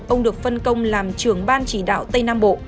ông được phân công làm trưởng ban chỉ đạo tây nam bộ